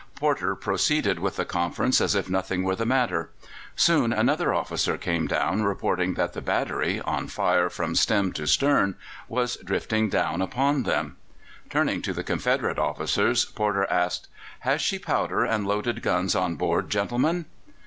Porter proceeded with the conference as if nothing were the matter. Soon another officer came down, reporting that the battery, on fire from stem to stern, was drifting down upon them. Turning to the Confederate officers, Porter asked: "Has she powder and loaded guns on board, gentlemen?"